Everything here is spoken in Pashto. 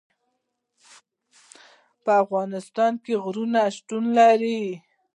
په افغانستان کې غرونه شتون لري.